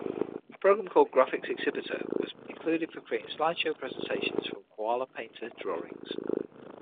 A program called "Graphics Exhibitor" was included for creating slideshow presentations from KoalaPainter drawings.